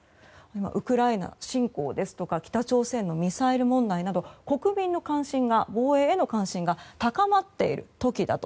ウクライナ侵攻ですとか北朝鮮のミサイル問題など国民の防衛への関心が高まっている時だと。